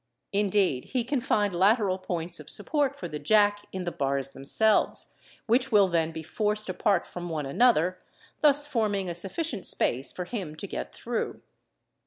Indeed he : can find lateral points of support for the jack in the bars themselves, which — will then be forced apart from one another, — i Ewe thus forming a sufficient space from him to get i through, Fig.